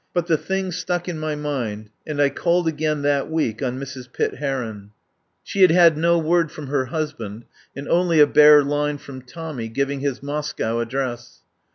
But the thing stuck in my mind, and I called again that week on Mrs. Pitt Heron. 37 THE POWER HOUSE She had had no word from her husband, and only a bare line from Tommy, giving his Moscow address.